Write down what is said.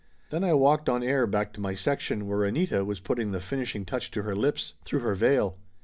Then I walked on air back to my section, where Anita was putting the finishing touch to her lips, through her veil.